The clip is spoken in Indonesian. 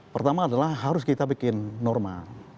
pertama adalah harus kita bikin norma